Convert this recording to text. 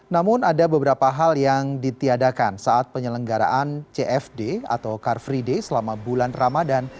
namun ada beberapa hal yang ditiadakan saat penyelenggaraan cfd atau car free day selama bulan ramadan